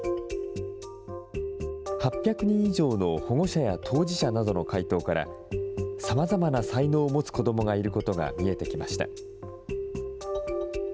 ８００人以上の保護者や当事者などからの回答から、さまざまな才能を持つ子どもがいることが見えてきました。